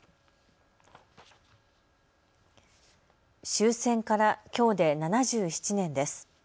終戦からきょうで７７年です。